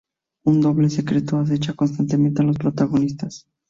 Un doble secreto acecha constantemente a los protagonistas.